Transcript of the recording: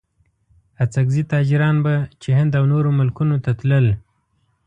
اڅګزي تاجران به چې هند او نورو ملکونو ته تلل.